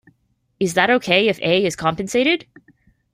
Is that okay if A is compensated?